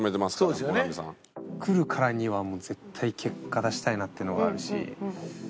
来るからにはもう絶対結果出したいなっていうのがあるし。